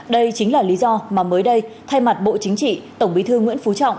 đây chính là lý do mà mới đây thay mặt bộ chính trị tổng bí thư nguyễn phú trọng